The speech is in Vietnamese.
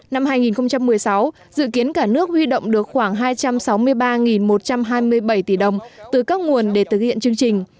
năm hai nghìn một mươi sáu dự kiến cả nước huy động được khoảng hai trăm sáu mươi ba một trăm hai mươi bảy tỷ đồng từ các nguồn để thực hiện chương trình